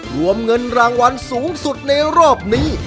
รวมเงินรางวัลสูงสุดในรอบนี้